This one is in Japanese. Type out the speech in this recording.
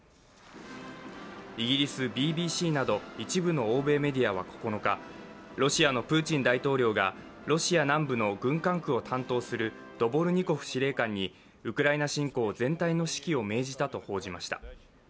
イギリスＢＢＣなど一部の欧米メディアは９日、ロシアのプーチン大統領がロシア南部の軍管区を担当するドボルニコフ司令官にウクライナ侵攻全体の指揮を命じたと報じました。